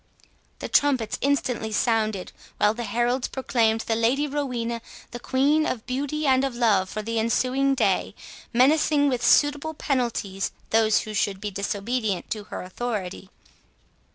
The trumpets instantly sounded, while the heralds proclaimed the Lady Rowena the Queen of Beauty and of Love for the ensuing day, menacing with suitable penalties those who should be disobedient to her authority.